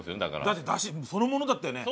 だって出汁そのものだったよね。